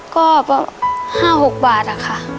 ก็๕๖บาทค่ะ